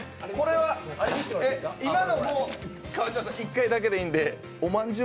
今のも川島さん、１回だけでいいんで、おまんじゅう